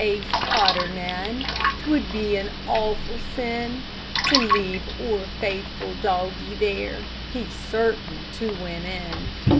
Eh, faither, man, 'Twould be an awfu' sin To leave oor faithfu' doggie there, He's certain to win in.